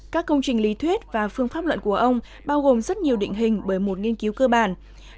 các công trình lý thuyết và phương pháp luận của ông bao gồm rất nhiều định hình bởi một nghiên cứu cơ bản